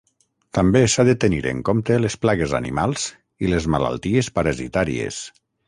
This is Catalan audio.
També s’ha de tenir en compte les plagues animals i les malalties parasitàries.